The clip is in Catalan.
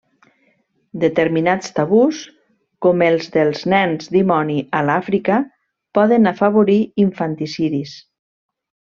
Determinats tabús, com els dels nens dimoni a l'Àfrica, poden afavorir infanticidis.